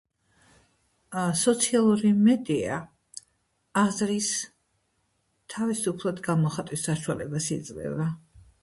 სოციალური მედია აზრის თავისუფლად გამოხატვის საშუალებას იძლევა.